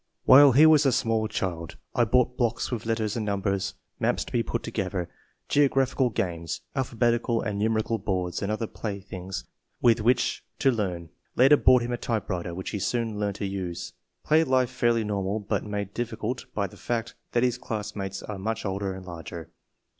While he was a small child I bought blocks with letters and numbers, maps to be put together, geographical games, alphabetical and numerical boards and other playthings with which to learn. Later bought him a typewriter, which he soon learned to use." Play life fairly normal, but made difficult by the fact that his classmates are much older and larger.